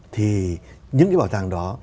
thì những cái bảo tàng đó